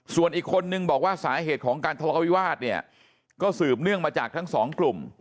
ส่วนอีกคนนึงบอกว่าสาเหตุของการทะเลาวิวาสเนี่ยก็สืบเนื่องมาจากทั้งสองกลุ่ม